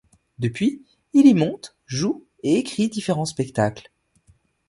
Depuis, il y monte, joue et écrit différents spectacles.